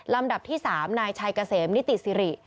ลำดับที่๓นายชัยเกษมนิติสิริ